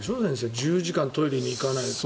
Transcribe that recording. １０時間トイレに行かないって。